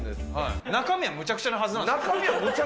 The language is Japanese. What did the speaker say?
中身はむちゃくちゃなはずなんです。